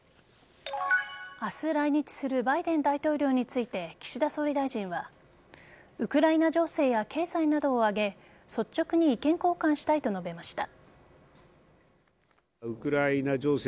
明日、来日するバイデン大統領について岸田総理大臣はウクライナ情勢や経済などを挙げ率直に意見交換したいと述べました。